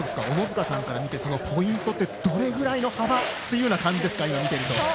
小野塚さんから見てポイントってどれぐらいの幅という感じですか。